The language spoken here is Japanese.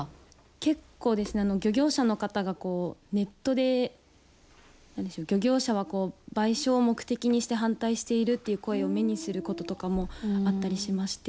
結構、漁業者の方がネットで、漁業者は賠償を目的にして反対しているっていう声を目にすることとかもあったりしまして。